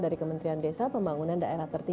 dari kementerian desa pembangunan daerah